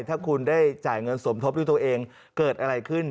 ถ้าคุณได้จ่ายเงินสมทบด้วยตัวเองเกิดอะไรขึ้น